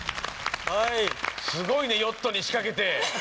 すごいねヨットに仕掛けて。